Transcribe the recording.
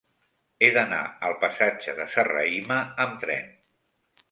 He d'anar al passatge de Serrahima amb tren.